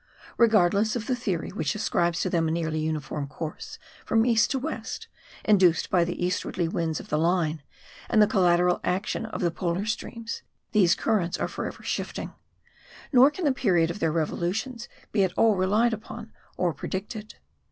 Regardless of the theory which ascribes to them a nearly uniform course from east to west, induced by the eastwardly winds of the Line, and the collateral action of the Polar streams ; these currents are forever shifting. Nor can the period of their revolutions be at all relied upon or predicted.